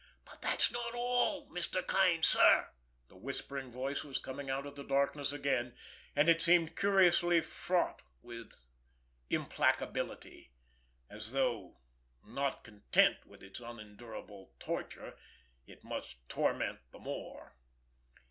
"But that's not all, Mr. Kane, sir." The whispering voice was coming out of the darkness again, and it seemed curiously fraught with implacability, as though, not content with its unendurable torture, it must torment the more.